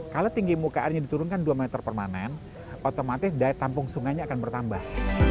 kalau tinggi muka airnya diturunkan dua meter permanen otomatis daya tampung sungainya akan bertambah